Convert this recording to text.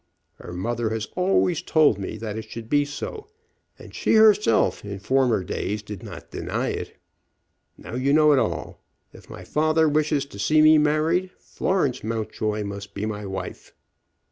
Her mother has always told me that it should be so, and she herself in former days did not deny it. Now you know it all. If my father wishes to see me married, Florence Mountjoy must be my wife."